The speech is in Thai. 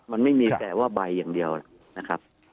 มันไม่มีแต่ว่าใบอย่างเดียวนะครับ